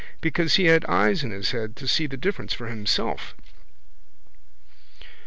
because he had eyes in his head to see the difference for himself.